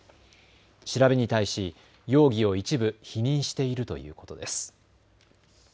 調べに対し容疑を一部否認しているということです。